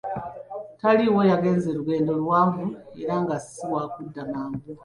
Taliiwo, yagenze lugendo luwanvu era nga si wakudda mangu.